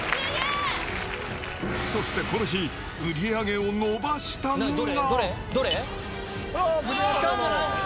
そしてこの日、売り上げを伸ばしたのが。